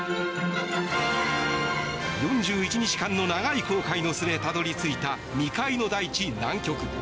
４１日間の長い航海の末たどり着いた未開の大地、南極。